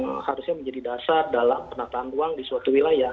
dan itu harusnya menjadi dasar dalam penataan ruang di suatu wilayah